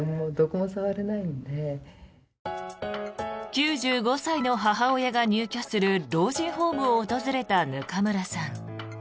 ９５歳の母親が入居する老人ホームを訪れた額村さん。